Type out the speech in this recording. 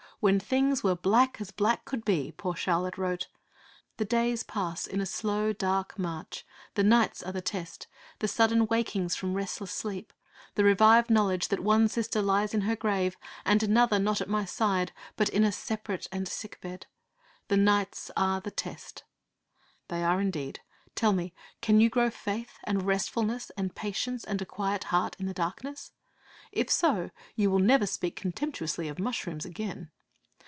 When things were as black as black could be, poor Charlotte wrote: 'The days pass in a slow, dark march; the nights are the test; the sudden wakings from restless sleep, the revived knowledge that one sister lies in her grave, and another not at my side, but in a separate and sick bed. The nights are the test.' They are indeed. Tell me: Can you grow faith, and restfulness, and patience, and a quiet heart in the darkness? If so, you will never speak contemptuously of mushrooms again.